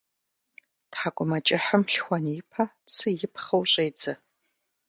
Тхьэкӏумэкӏыхьым лъхуэн ипэ цы ипхъыу щӏедзэ.